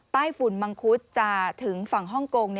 ฝุ่นมังคุดจะถึงฝั่งฮ่องกง